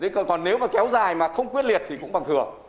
còn nếu mà kéo dài mà không quyết liệt thì cũng bằng thừa